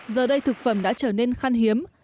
giờ đây thực phẩm đã trở nên khăn hiếm